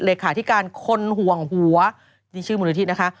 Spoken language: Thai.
เลขาธิการคนห่วงหัวนี่ชื่อมูลนิธินะคะ